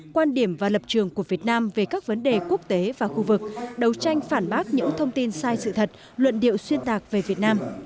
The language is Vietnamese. quan điểm và lập trường của việt nam về các vấn đề quốc tế và khu vực đấu tranh phản bác những thông tin sai sự thật luận điệu xuyên tạc về việt nam